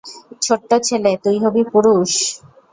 ছোট্ট ছেলে, তুই হবি পুরুষ।